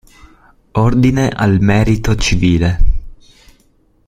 Ordine al merito civile